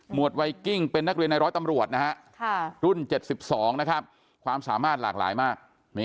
วดไวกิ้งเป็นนักเรียนในร้อยตำรวจนะฮะรุ่น๗๒นะครับความสามารถหลากหลายมาก